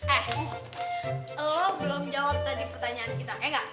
eh lo belum jawab tadi pertanyaan kita eh gak